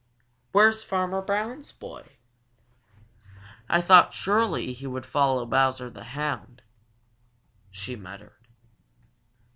"Where's Farmer Brown's boy? I thought surely he would follow Bowser the Hound," she muttered.